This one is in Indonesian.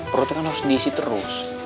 perutnya kan harus diisi terus